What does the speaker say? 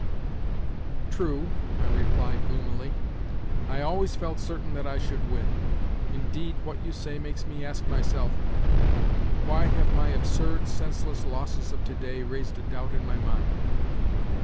"True," I replied gloomily. "I always felt certain that I should win. Indeed, what you say makes me ask myself—Why have my absurd, senseless losses of today raised a doubt in my mind?